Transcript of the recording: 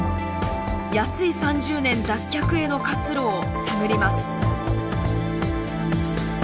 「安い３０年」脱却への活路を探ります。